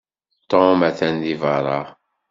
Tom atan deg beṛṛa.